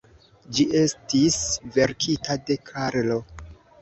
Ĝi estis verkita de Karlo.